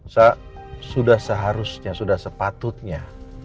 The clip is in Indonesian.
sudah seharusnya sudah sepatutnya